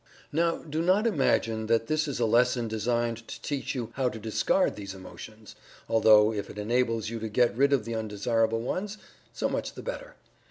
Now, do not imagine that this is a lesson designed to teach you how to discard these emotions, although if it enables you to get rid of the undesirable ones, so much the better.